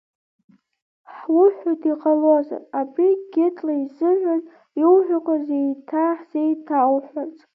Ҳуҳәоит, иҟалозар, абри Гьытла изыҳәан иуҳәақәоз, еиҭа ҳзеиҭоуҳәарц!